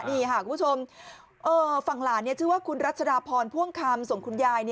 นี่ค่ะคุณผู้ชมฝั่งหลานชื่อว่าคุณรัชดาพรพ่วงคำส่งคุณยาย